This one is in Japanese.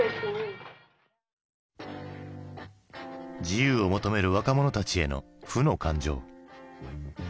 自由を求める若者たちへの負の感情。